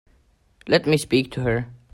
Let me speak to her.